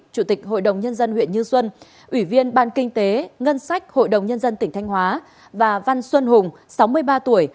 chủ tịch hội đồng nhân dân huyện như xuân ủy viên ban kinh tế ngân sách hội đồng nhân dân tỉnh thanh hóa và văn xuân hùng sáu mươi ba tuổi